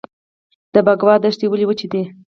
د بکوا دښتې ولې وچې دي؟